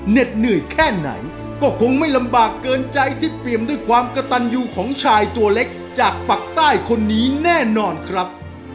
เหนื่อยแค่ไหนก็คงไม่ลำบากเกินใจที่เปรียมด้วยความกระตันยูของชายตัวเล็กจากปากใต้คนนี้แน่นอนครับ